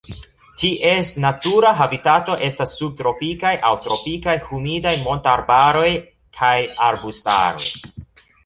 Ties natura habitato estas subtropikaj aŭ tropikaj humidaj montarbaroj kaj arbustaroj.